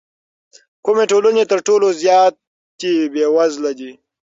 کومې ټولنې تر ټولو زیاتې بېوزله دي؟